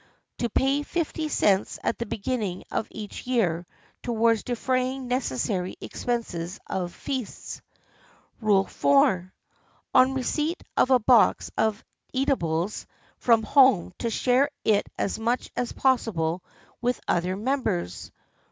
To pay fifty cents at the beginning of each year towards defraying necessary expenses of feasts. " Rule IV. On receipt of a box of eatables from home to share it as much as possible with other members.